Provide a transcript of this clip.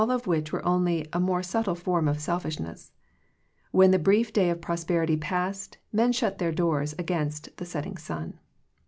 of which was only a more subtle form of selfishness. When the brief day of prosperity passed, men shut their doors against the setting sun.